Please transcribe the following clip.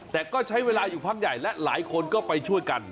แต่ก็ใช้เวลาอยู่พักใหญ่และหลายคนก็ไปช่วยกัน